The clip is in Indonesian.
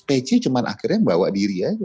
peci cuma akhirnya bawa diri aja